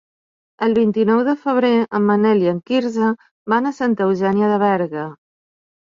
El vint-i-nou de febrer en Manel i en Quirze van a Santa Eugènia de Berga.